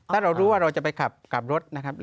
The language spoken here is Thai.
ถ้าเรารู้ว่าเราจะไปขับกลับรถนะครับ